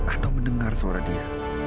atau mendengar suara dia